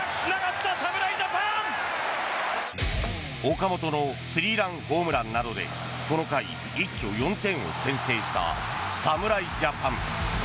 岡本のスリーランホームランなどでこの回、一挙４点を先制した侍ジャパン。